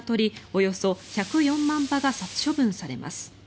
およそ１０４万羽が殺処分されます。